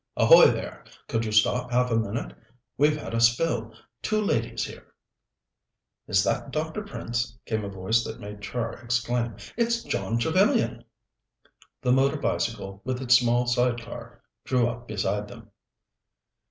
"Ahoy, there! Could you stop half a minute? We've had a spill. Two ladies here." "Is that Dr. Prince?" came a voice that made Char exclaim: "It's John Trevellyan!" The motor bicycle, with its small side car, drew up beside them.